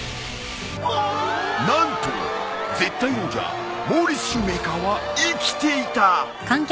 何と絶対王者モーリスシューメーカーは生きていた！